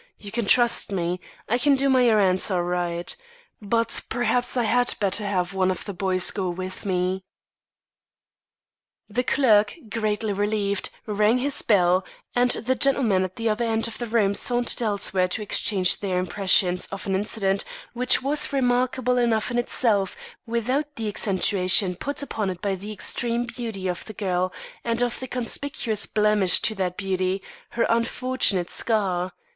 You can trust me; I can do my errands all right; but perhaps I had better have one of the boys go with me." The clerk, greatly relieved, rang his bell, and the gentlemen at the other end of the room sauntered elsewhere to exchange their impressions of an incident which was remarkable enough in itself, without the accentuation put upon it by the extreme beauty of the girl and the one conspicuous blemish to that beauty her unfortunate scar.